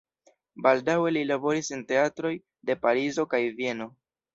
Baldaŭe li laboris en teatroj de Parizo kaj Vieno.